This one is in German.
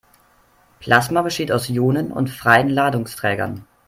Plasma besteht aus Ionen und freien Ladungsträgern.